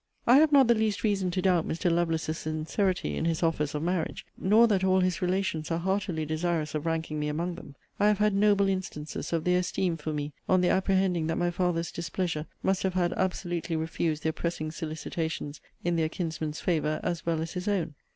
I have not the least reason to doubt Mr. Lovelace's sincerity in his offers of marriage; nor that all his relations are heartily desirous of ranking me among them. I have had noble instances of their esteem for me, on their apprehending that my father's displeasure must have had absolutely refused their pressing solicitations in their kinsman's favour as well as his own.